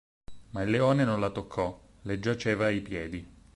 Ma il leone non la toccò; le giaceva ai piedi.